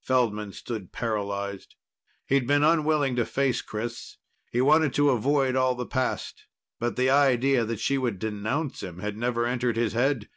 Feldman stood paralyzed. He'd been unwilling to face Chris. He wanted to avoid all the past. But the idea that she would denounce him had never entered his head.